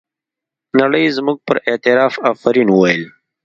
نړۍ زموږ پر اعتراف افرین وویل.